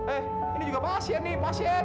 eh ini juga pasien nih pasien